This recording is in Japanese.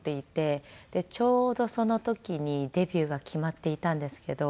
ちょうどその時にデビューが決まっていたんですけど。